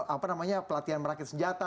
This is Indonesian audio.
apa namanya pelatihan merakit senjata